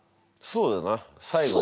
「そうだな」？